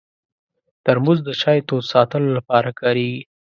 ترموز د چای تود ساتلو لپاره کارېږي.